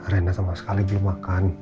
rena sama sekali belum makan